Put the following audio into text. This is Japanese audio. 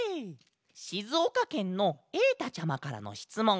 しずおかけんのえいたちゃまからのしつもん。